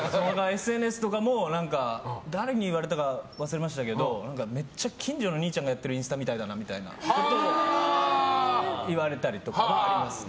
ＳＮＳとかも誰に言われたか忘れましたけどめっちゃ近所の兄ちゃんがやってるインスタみたいだなみたいな言われたりはありますね。